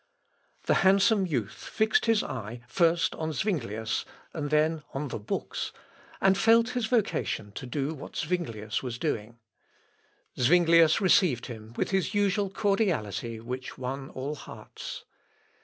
The handsome youth fixed his eye first on Zuinglius, and then on the books, and felt his vocation to do what Zuinglius was doing. Zuinglius received him with his usual cordiality which won all hearts.